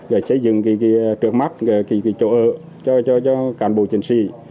nhưng trước mắt chỗ ở cho cán bộ chiến sĩ